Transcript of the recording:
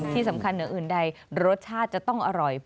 ที่สำคัญเหนืออื่นใดรสชาติจะต้องอร่อย